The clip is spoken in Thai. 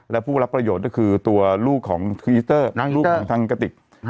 และผู้รับประโยชน์ก็คือตัวลูกของอีสสเตอร์ทางกฏิก